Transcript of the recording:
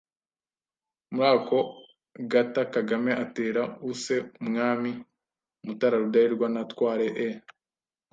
Muri ako gata Kagame atera uuse umwami Mutara Rudahigwa n’atware e